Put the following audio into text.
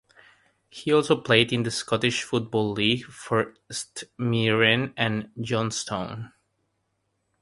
He also played in the Scottish Football League for St Mirren and Johnstone.